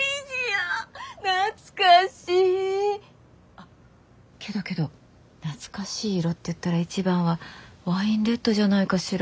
あけどけど懐かしい色っていったら一番はワインレッドじゃないかしら。